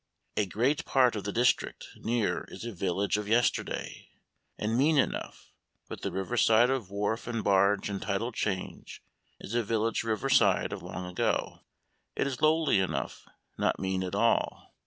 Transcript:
A great part of the district near is a village of yesterday, and mean enough, but the river side of wharf and barge and tidal change is a village river side of long ago. It is lowly enough, not mean at all.